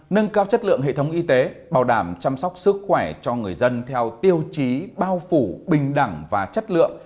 nâng cao chất lượng hệ thống y tế bảo đảm chăm sóc sức khỏe cho người dân theo tiêu chí bao phủ bình đẳng và chất lượng